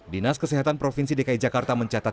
dinas kesehatan provinsi dki jakarta mencatat